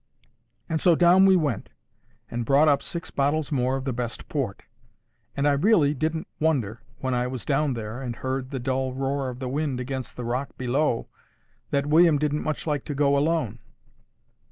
And so down we went, and brought up six bottles more of the best port. And I really didn't wonder, when I was down there, and heard the dull roar of the wind against the rock below, that William didn't much like to go alone.